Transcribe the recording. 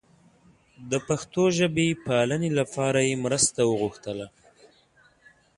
د پښتو ژبې پالنې لپاره یې مرسته وغوښتله.